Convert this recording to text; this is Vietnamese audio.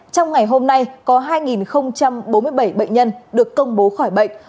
trong ngày hôm nay có hai bốn mươi bảy bệnh nhân được công bố khỏi bệnh